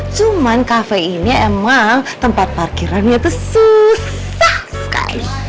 cuman kafe ini emang tempat parkirannya tuh susah sekali